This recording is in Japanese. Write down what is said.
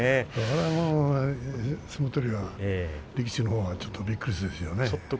相撲取り、力士のほうはちょっとびっくりするでしょうね。